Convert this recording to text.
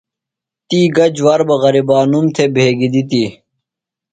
تی گہ جُوار بہ غریبانوم تھےۡ بھگیۡ دِتیۡ؟